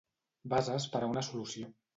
Bases per a una solució.